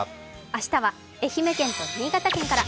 明日は愛媛県と新潟県から。